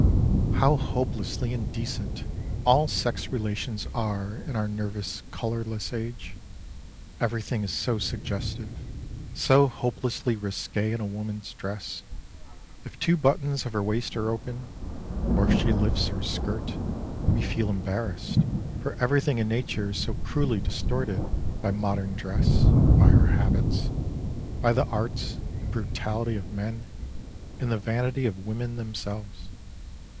How hopelessly indecent all sex relations are in our nervous, colorless age! Everything is so suggestive, so hopelessly risque in a woman's dress ; if two buttons of her waist are open, or if she lifts her skirt we feel embarrassed, for everything in nature is so cruelly distorted by modern dress, by our habits, by the arts, the brutality of men, and the vanity of women themselves.